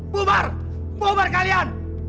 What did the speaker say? bumar bumar kalian